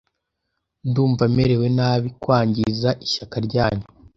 Ndumva merewe nabi kwangiza ishyaka ryanyu.